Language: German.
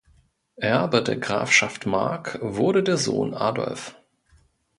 Erbe der Grafschaft Mark wurde der Sohn Adolf.